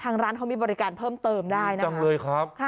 ทางร้านเขามีบริการเพิ่มเติมได้นะครับ